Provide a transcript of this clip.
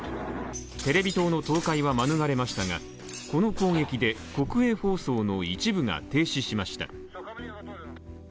テレビ塔の倒壊は免れましたがこの攻撃で国営放送の一部が停止しました。